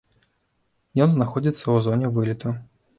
Ён знаходзіцца ў зоне вылету.